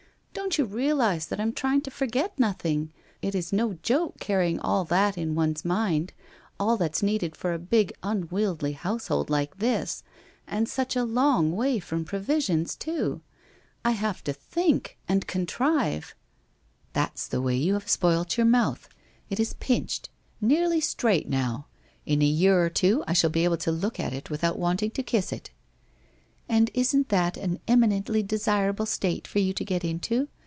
' Don't you realize that I am trying to forget nothing ? It is no joke carrying all that in one's mind, all that's needed for a big unwieldy household like this, and such a long way from provisions, too ! I have to think and contrive '' That's the way you have spoilt your mouth. It is pinched — nearly straight now ! In a year or two, I shall be able to look at it without wanting to kiss it/ ' And isn't that an eminently desirable state for you to get into